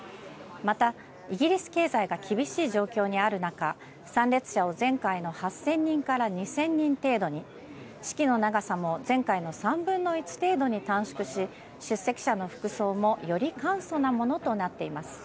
また、イギリス経済が厳しい状況にある中、参列者を前回の８０００人から２０００人程度に、式の長さも前回の３分の１程度に短縮し、出席者の服装もより簡素なものとなっています。